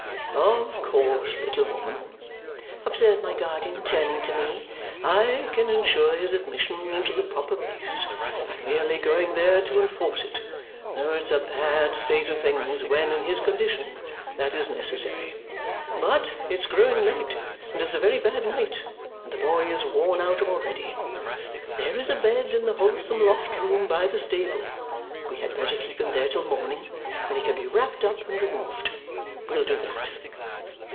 "Of course, little woman," observed my guardian, turning to me, "I can ensure his admission into the proper place by merely going there to enforce it, though it's a bad state of things when, in his condition, that is necessary. But it's growing late, and is a very bad night, and the boy is worn out already. There is a bed in the wholesome loft room by the stable; we had better keep him there till morning, when he can be wrapped up and removed. We'll do that."